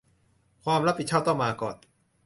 ความรับผิดชอบต้องมาก่อน